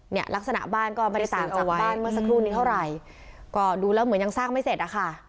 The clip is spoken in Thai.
เนี่ยลักษณะบ้านก็ไม่ได้ต่างจากบ้านเมื่อสักครู่นี้เท่าไหร่ก็ดูแล้วเหมือนยังสร้างไม่เสร็จอะค่ะ